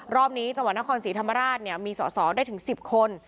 รอบนี้จังหวัดนครศรีธรรมราชมีสอสอได้ถึง๑๐คน